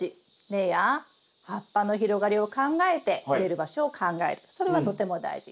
根や葉っぱの広がりを考えて植える場所を考えるそれはとても大事。